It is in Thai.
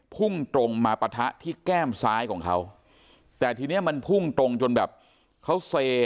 พุ่งตรงมาปะทะที่แก้มซ้ายของเขาแต่ทีเนี้ยมันพุ่งตรงจนแบบเขาเซ